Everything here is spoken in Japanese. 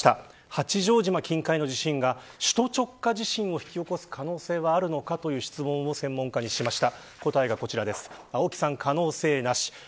八丈島近海の地震が首都直下地震を引き起こす可能性はあるのかという質問をしました。